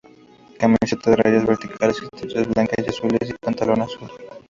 Camiseta de rayas verticales estrechas blancas y azules, y pantalón azul.